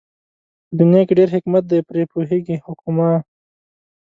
په دنيا کې ډېر حکمت دئ پرې پوهېږي حُکَما